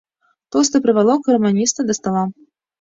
Тоўсты прывалок гарманіста да стала.